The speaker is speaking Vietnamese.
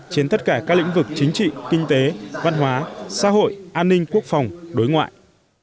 trên tất cả các lĩnh vực chính trị kinh tế văn hóa xã hội an ninh quốc phòng đối ngoại